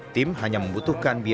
tim hanya membutuhkan biaya